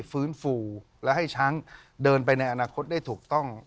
ฟื้นฟูและให้ช้างเดินไปในอนาคตได้ถูกต้อง